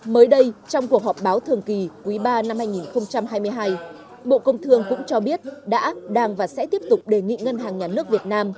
mới đây trong cuộc họp báo thường kỳ quý ba năm hai nghìn hai mươi hai bộ công thương cũng cho biết đã đang và sẽ tiếp tục đề nghị ngân hàng nhà nước việt nam